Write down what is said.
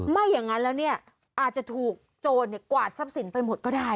ไม่อย่างนั้นแล้วเนี่ยอาจจะถูกโจรกวาดทรัพย์สินไปหมดก็ได้